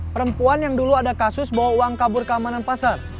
perempuan yang dulu ada kasus bawa uang kabur keamanan pasar